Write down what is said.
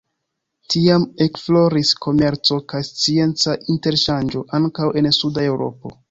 Tiam ekfloris komerco kaj scienca interŝanĝo, ankaŭ en suda Eŭropo.